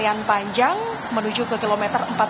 penerian panjang menuju ke km empat puluh enam